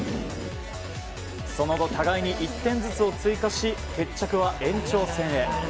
その後、互いに１点ずつを追加し決着は延長戦へ。